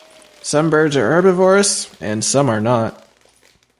Some birds are herbivorous, and some are not.